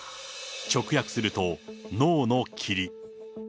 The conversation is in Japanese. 直訳すると、脳の霧。